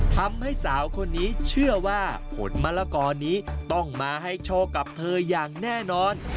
ทำให้สาวคนนี้เชื่อว่าผลมะละกอนี้ต้องมาให้โชคกับเธออย่างแน่นอน